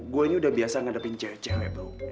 gue ini udah biasa ngadepin cewek cewek